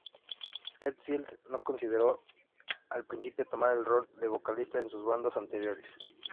Hetfield no consideró al principio tomar el rol de vocalista en sus bandas anteriores.